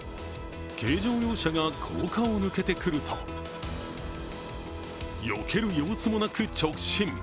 軽乗用車が高架を抜けてくるとよける様子もなく直進。